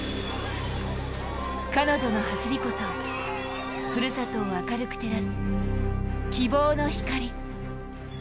彼女の走りこそ、ふるさとを明るく照らす希望の光。